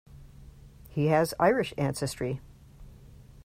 He has Irish ancestry.